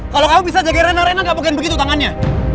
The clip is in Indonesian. kalau kamu bisa jaga rena rena gak mungkin begitu tangannya